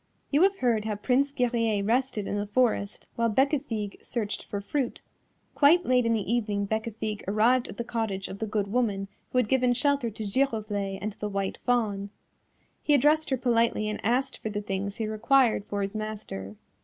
You have heard how Prince Guerrier rested in the forest while Bécafigue searched for fruit; quite late in the evening Bécafigue arrived at the cottage of the good woman who had given shelter to Giroflée and the White Fawn. He addressed her politely and asked for the things he required for his master.